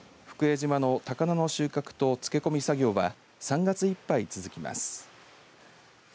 福江島の高菜の収穫と漬け込み作業は３月いっぱい続きます。